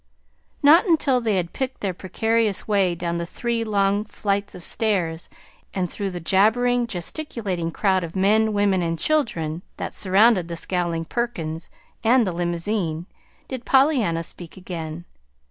Not until they had picked their precarious way down the three long flights of stairs and through the jabbering, gesticulating crowd of men, women, and children that surrounded the scowling Perkins and the limousine, did Pollyanna speak again.